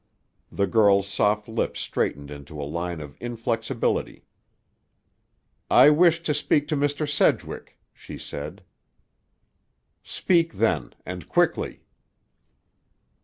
The girl's soft lips straightened into a line of inflexibility. "I wish to speak to Mr. Sedgwick," she said. "Speak then, and quickly."